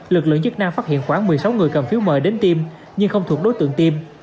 lực lượng chức năng phát hiện khoảng một mươi sáu người cầm phiếu mời đến tim nhưng không thuộc đối tượng tiêm